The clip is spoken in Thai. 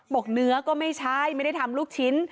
บอกเนื้อก็ไม่ใช่ไม่ได้ทำลูกชิ้น